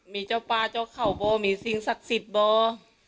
มีเจ้าป่าเจ้าข่าวบ้างมีสิ่งศักดิ์สิทธิ์บ้าง